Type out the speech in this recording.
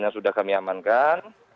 yang sudah kami amankan